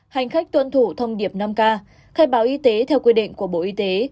hành khách tuân thủ thông điệp năm k khai báo y tế theo quy định của bộ y tế